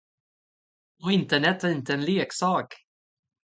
Och internet är inte en leksak.